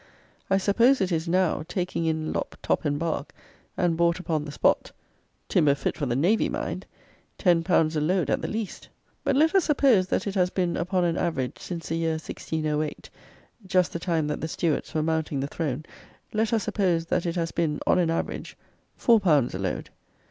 I suppose it is now, taking in lop, top and bark, and bought upon the spot (timber fit for the navy, mind!), ten pounds a load at the least. But let us suppose that it has been, upon an average, since the year 1608, just the time that the Stuarts were mounting the throne; let us suppose that it has been, on an average, four pounds a load.